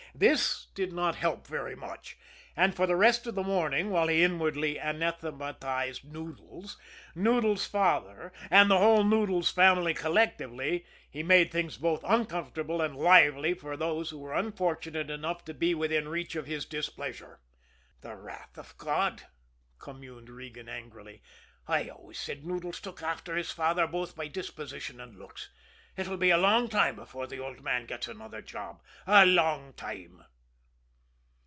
This did not help very much, and for the rest of the morning, while he inwardly anathematized Noodles, Noodles' father and the whole Noodles family collectively, he made things both uncomfortable and lively for those who were unfortunate enough to be within reach of his displeasure. "The wrath of God!" communed Regan angrily. "I always said Noodles took after his father, both by disposition and looks! It'll be a long time before the old man gets another job a long time."